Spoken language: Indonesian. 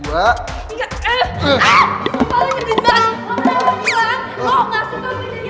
batu bakar enggak kena hahaha apa sih